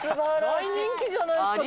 大人気じゃないですか。